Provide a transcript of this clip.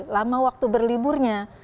lama waktu berliburnya